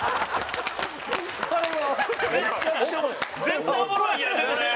絶対おもろいやんこれ！